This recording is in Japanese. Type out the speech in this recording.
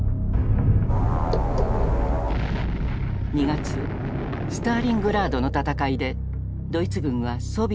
２月スターリングラードの戦いでドイツ軍はソビエトに大敗。